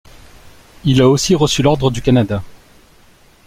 Il a aussi reçu l'Ordre du Canada.